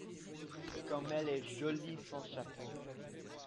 Comme elle est jolie sans chapeau !